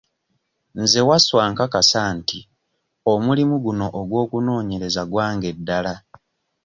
Nze Wasswa nkakasa nti omulimu guno ogw'okunoonyereza gwange ddala.